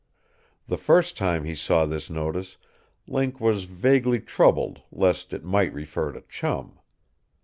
The first time he saw this notice Link was vaguely troubled lest it might refer to Chum.